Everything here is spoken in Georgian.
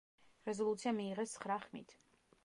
რეზოლუცია მიიღეს ცხრა ხმით.